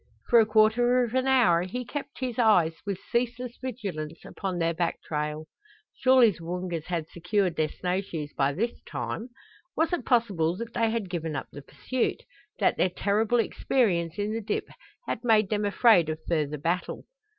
For a quarter of an hour he kept his eyes with ceaseless vigilance upon their back trail. Surely the Woongas had secured their snow shoes by this time! Was it possible that they had given up the pursuit that their terrible experience in the dip had made them afraid of further battle?